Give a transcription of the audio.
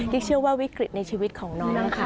เชื่อว่าวิกฤตในชีวิตของน้องค่ะ